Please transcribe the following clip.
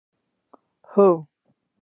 هوه